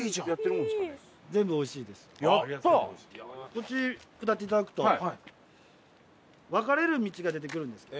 こっち下っていただくと分かれる道が出てくるんですけど。